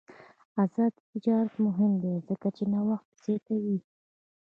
آزاد تجارت مهم دی ځکه چې نوښت زیاتوي.